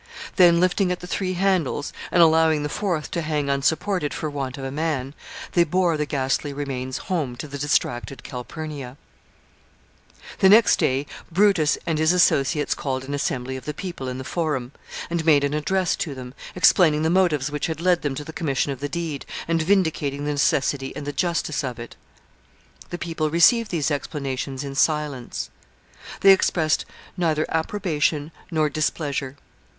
Then, lifting at the three handles, and allowing the fourth to hang unsupported for want of a man, they bore the ghastly remains home to the distracted Calpurnia. [Sidenote: Address of the conspirators.] The next day Brutus and his associates called an assembly of the people in the Forum, and made an address to them, explaining the motives which had led them to the commission of the deed, and vindicating the necessity and the justice of it. The people received these explanations in silence. They expressed neither approbation nor displeasure.